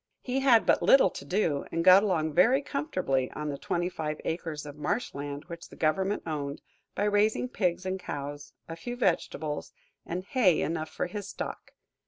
He had but little to do, and got along very comfortably on the twenty five acres of marsh land which the government owned, by raising pigs and cows, a few vegetables, and hay enough for his stock.